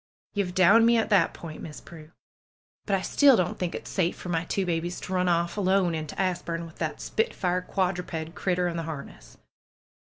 ^^Ye've downed me at that point. Miss Prue! But I still don't think it safe for my two babies to run off alone into Asburne with that spitfire quadruped critter in the harness.